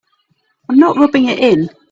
I'm not rubbing it in.